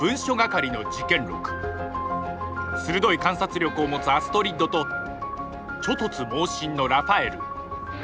鋭い観察力を持つアストリッドとちょ突猛進のラファエル。